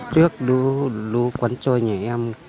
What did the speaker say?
trước lũ quấn trôi nhà em